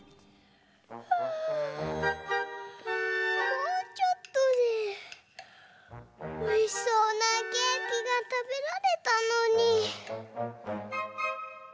もうちょっとでおいしそうなケーキがたべられたのに。